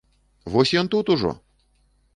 Вось ён тут ужо!